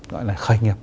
gọi là khởi nghiệp